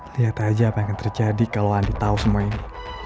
lihat aja apa yang akan terjadi kalau anda tahu semua ini